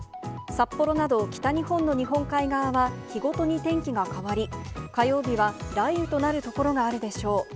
札幌など、北日本の日本海側は、日ごとに天気が変わり、火曜日は雷雨となる所があるでしょう。